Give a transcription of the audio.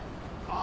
あ？